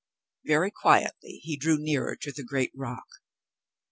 Very quietly he drew nearer to the great rock.